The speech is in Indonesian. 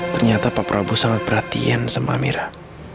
ternyata pak prabu sangat perhatian sama amirah